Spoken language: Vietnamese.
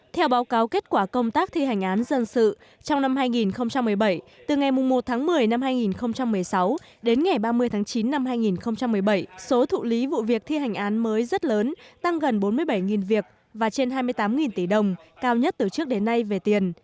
theo báo cáo kết quả công tác thi hành án dân sự trong năm hai nghìn một mươi bảy từ ngày một tháng một mươi năm hai nghìn một mươi sáu đến ngày ba mươi tháng chín năm hai nghìn một mươi bảy số thụ lý vụ việc thi hành án mới rất lớn tăng gần bốn mươi bảy việc và trên hai mươi tám tỷ đồng cao nhất từ trước đến nay về tiền